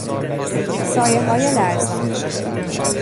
سایههای لرزان